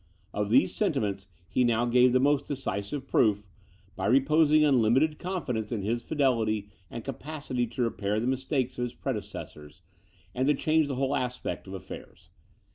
Of these sentiments he now gave the most decisive proof, by reposing unlimited confidence in his fidelity and capacity to repair the mistakes of his predecessors, and to change the whole aspect of affairs.